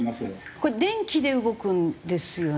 これ電気で動くんですよね？